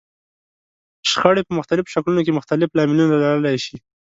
شخړې په مختلفو شکلونو کې مختلف لاملونه لرلای شي.